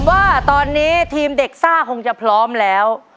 ว่าตอนนี้ทีมเด็กซ่าคงจะพร้อมแล้ว